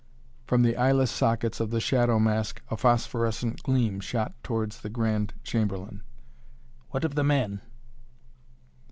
From the eyeless sockets of the shadow mask a phosphorescent gleam shot towards the Grand Chamberlain. "What of the man?"